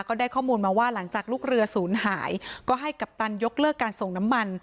ก็ได้ข้อมูลมาว่าหลังจากลูกเรือศูนย์หายก็ให้กัปตันยกเลิกการส่งน้ำมัน